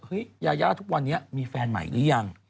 ยาย่าทุกวันนี้มีแฟนใหม่หรือยัง